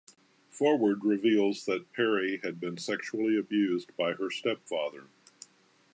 Forward reveals that Peri had been sexually abused by her stepfather.